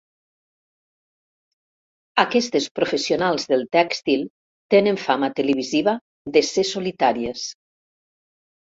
Aquestes professionals del tèxtil tenen fama televisiva de ser solitàries.